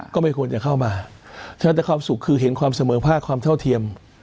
ก็ไม่ควรจะเข้ามาฉะนั้นแต่ความสุขคือเห็นความเสมอภาคความเท่าเทียม